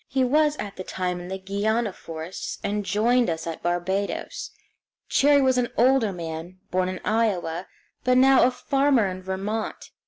He was at the time in the Guiana forests, and joined us at Barbados. Cherrie was an older man, born in Iowa, but now a farmer in Vermont.